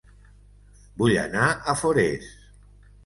Vull anar a Forès